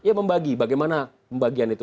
ya membagi bagaimana pembagian itu